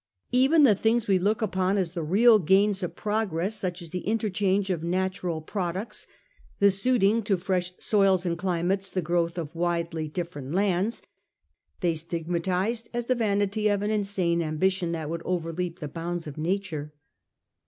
Even the things we look upon as the real gains of progress, such as the interchange of natural pro ducts, the suiting to fresh soils and climates the growth of widely different lands, they stigmatized as the vanity of an ins me ambition that would overleap the bounds ot nature.